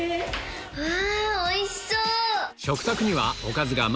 うわおいしそう！